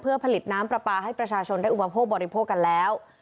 เพื่อผลิตน้ำปลาปลาให้ประชาชนได้อุปโภคบริโภคกันแล้ว